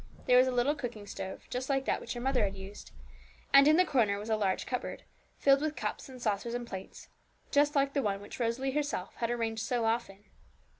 There was a little cooking stove, just like that which her mother had used; and in the corner was a large cupboard, filled with cups and saucers and plates, just like the one which Rosalie herself had arranged so often.